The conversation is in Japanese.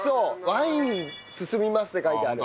「ワインがすすみます」って書いてある。